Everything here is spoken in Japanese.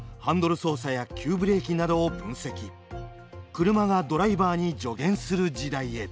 クルマがドライバーに助言する時代へ。